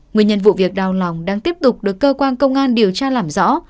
nguyên nhân vụ việc đau lòng đang tiếp tục được cơ quan công an điều tra làm rõ